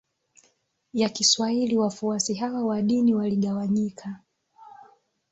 ya Kiswahili Wafuasi hawa wa dini waligawanyika